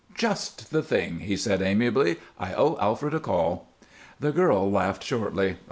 "Just the thing!" he said, amiably. "I owe Alfred a call." The girl laughed shortly.